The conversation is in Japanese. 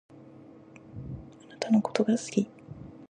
あなたのことが好き。